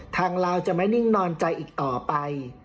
ลาวจะไม่นิ่งนอนใจอีกต่อไป